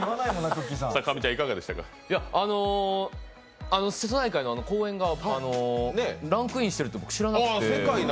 瀬戸内海の公園がランクインしてるって僕知らなくて。